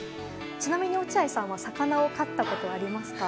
ちなみに落合さんは魚を飼ったことはありますか。